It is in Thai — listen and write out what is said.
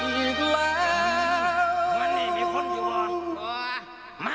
มาอีกแล้ว